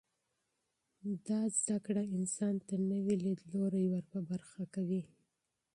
دا علم انسان ته نوي لیدلوري ور په برخه کوي.